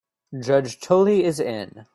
Judge Tully is in.